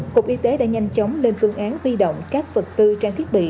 cục y tế đã nhanh chóng lên phương án huy động các vật tư trang thiết bị